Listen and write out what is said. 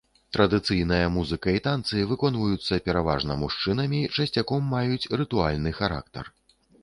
Традыцыйная музыка і танцы выконваюцца пераважна мужчынамі, часцяком маюць рытуальны характар.